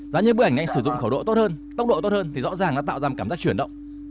giá như bức ảnh anh sử dụng khẩu độ tốt hơn tốc độ tốt hơn thì rõ ràng nó tạo ra một cảm giác chuyển động